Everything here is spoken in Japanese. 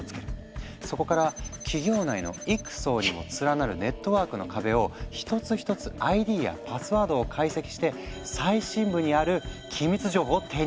そこから企業内の幾層にも連なるネットワークの壁を一つ一つＩＤやパスワードを解析して最深部にある機密情報を手に入れていた。